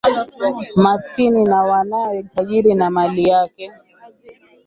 Masikini na mwanawe tajiri na mali yake